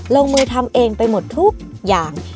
ลงมือทำเองไปหมดทุกอย่าง